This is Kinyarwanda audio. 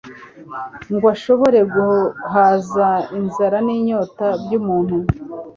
ngo ashobore guhaza inzara n'inyota by'umuntu.